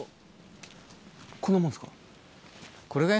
こんなもんですか？